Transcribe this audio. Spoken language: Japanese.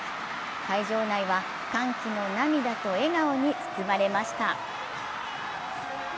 会場内は歓喜の涙と笑顔に包まれました。